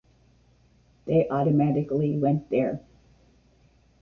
They automatically went there.